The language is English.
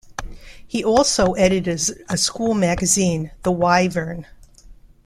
He also edited a school magazine, "The Wyvern".